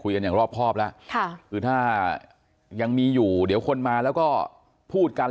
อย่างรอบครอบแล้วค่ะคือถ้ายังมีอยู่เดี๋ยวคนมาแล้วก็พูดกัน